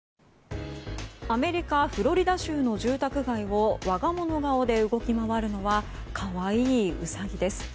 アメリカ・フロリダ州の住宅街を我が物顔で動き回るのは可愛いウサギです。